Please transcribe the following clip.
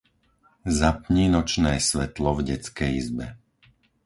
Zapni nočné svetlo v detskej izbe.